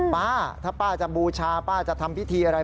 ป้าถ้าป้าจะบูชาป้าจะทำพิธีอะไร